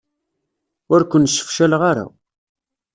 Ur ken-sefcaleɣ ara.